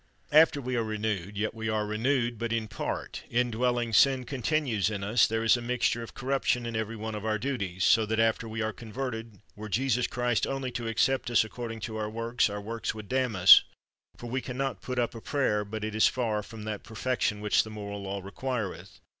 After we are renewed, yet we are renewed but in part, indwelling sin continues in us, there is a mixture of corruption in every one of our duties ; so that after we are converted, were Jesus Christ only to accept us according to our works, our works would damn us, for we can not put up a prayer but it is far from that perfection which the moral law requireth.